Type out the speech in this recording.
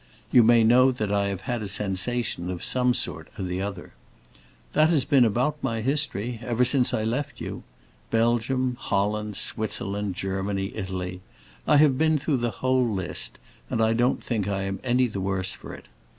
you may know that I have had a sensation of some sort or other. That has been about my history, ever since I left you. Belgium, Holland, Switzerland, Germany, Italy—I have been through the whole list, and I don't think I am any the worse for it.